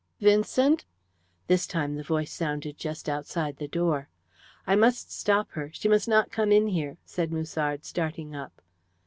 "Vincent!" This time the voice sounded just outside the door. "I must stop her she must not come in here," said Musard, starting up.